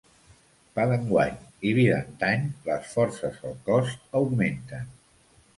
Pa d'enguany i vi d'antany, les forces al cos augmenten.